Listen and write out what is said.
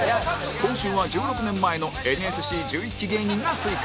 今週は１６年前の ＮＳＣ１１ 期芸人が追加